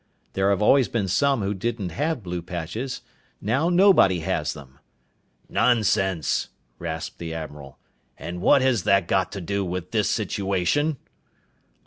There have always been some who didn't have blue patches. Now nobody has them." "Nonsense!" rasped the admiral. "And what has that got to do with this situation?"